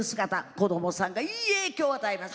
子どもさんに影響を与えます。